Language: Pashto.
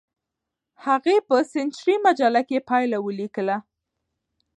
هغې په سنچري مجله کې پایله ولیکله.